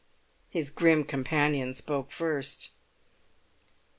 His grim companion spoke first.